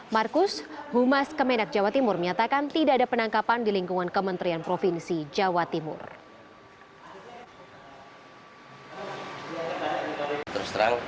markus humas kemenak jawa timur menyatakan tidak ada penangkapan di lingkungan kementerian provinsi jawa timur